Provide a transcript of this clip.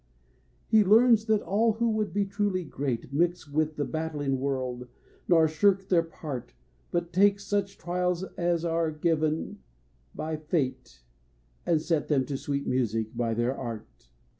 He learns that all who would be truly great Mix with the battling world, nor shirk their part, But take such trials as are given by Fate And set them to sweet music by their art.